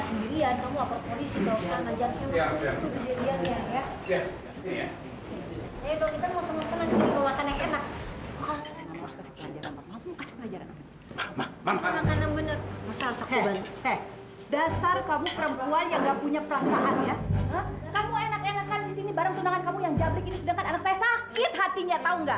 ini bareng tunangan kamu yang jabrik ini sedangkan anak saya sakit hatinya tahu nggak